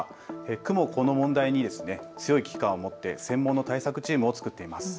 区もこの問題に強い危機感を持って専門の対策チームを作っています。